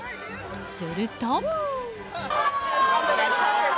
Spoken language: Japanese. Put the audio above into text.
すると。